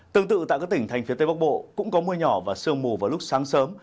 tương tự tại các tỉnh thành phía tây bắc bộ cũng có mưa nhỏ và sương mù vào lúc sáng sớm